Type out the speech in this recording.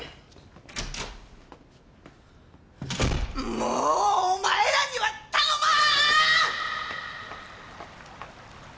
もうお前らには頼まーん！！